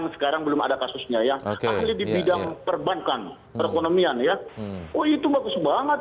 sekarang belum ada kasusnya ya ahli di bidang perbankan perekonomian ya oh itu bagus banget